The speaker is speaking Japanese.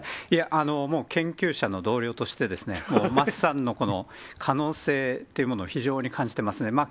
もう研究者の同僚としてですね、もう桝さんのこの可能性というものを非常に感じてますね。